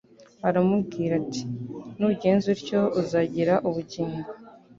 aramubwira ati : "Nugenza utyo uzagira ubugingo."